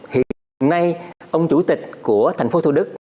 hiện nay ông chủ tịch của thành phố thủ đức